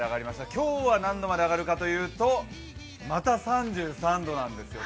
今日は何度まで上がるかというとまた３３度なんですよ。